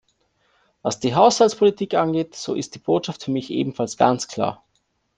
Was die Haushaltspolitik angeht, so ist die Botschaft für mich ebenfalls ganz klar.